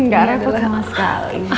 gak repot sama sekali